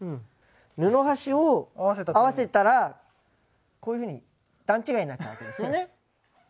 布端を合わせたらこういうふうに段違いになっちゃうわけですよね。